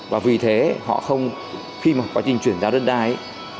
và vì thế họ không khi mà quá trình chuyển giao đất đai ấy